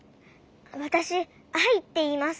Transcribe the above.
わたしアイっていいます。